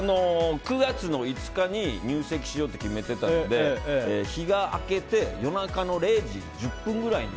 ９月５日に入籍しようと決めていたので日が明けて夜中の０時１０分くらいに。